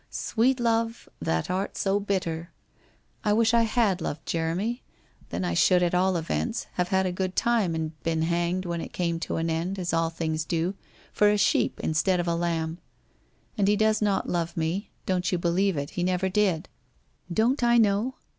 " Sweet love, that art so hitter." I wish I had loved Jeremy, then I should at all events, have had a good time and been hanged, when it came to an end, as all things do, for a sheep instead of a lamb. And he does not love me, don't you believe it — he never did. Don't I know?